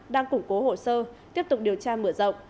đang củng cố hồ sơ tiếp tục điều tra mở rộng